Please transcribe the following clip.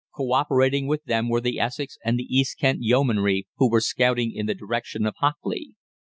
Co operating with them were the Essex and the East Kent Yeomanry, who were scouting in the direction of Hockley.